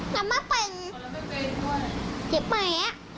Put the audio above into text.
ลำไม่เป็น